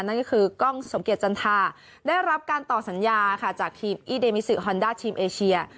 นั่นก็คือกล้องสมเกียจจันทราได้รับการต่อสัญญาค่ะจากทีมอี้เดมิซิฮอนด้าทีมเอเชีย